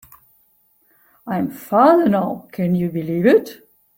I am father now, can you believe it?